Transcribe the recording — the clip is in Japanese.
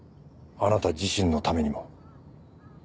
あなた自身のためにも。